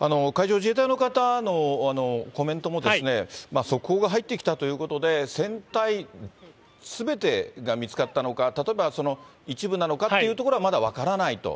海上自衛隊の方のコメントも、速報が入ってきたということで、船体すべてが見つかったのか、例えば一部なのかっていうところは、まだ分からないと。